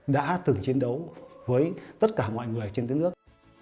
đã từng chiến đấu với tất cả mọi người trên thế giới